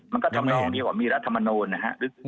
มันก็ทำนองเดียวกว่ามีรัฐมนูลนะครับ